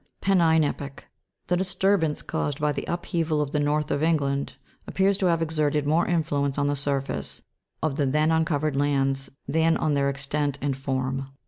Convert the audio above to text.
Penine epoch. The disturbance caused by the upheaval of the north of England, appears to have exerted more influence on the surface, of the then uncovered lands, than on their extent and form.